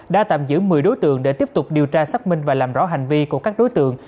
đã tạm giữ một mươi đối tượng để tiếp tục điều tra xác minh và làm rõ hành vi của các đối tượng